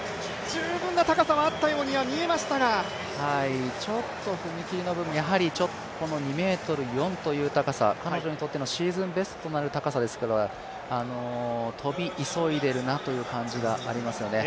十分な高さがあったように見えましたがちょっと踏み切りこの２ｍ４という高さ、彼女にとってもシーズンベストとなる高さですけど跳び急いでいるなという感じがありますよね。